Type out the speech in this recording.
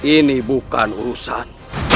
ini bukan urusan